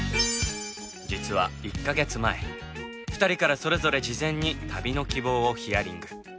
実は１カ月前２人からそれぞれ事前に旅の希望をヒアリング。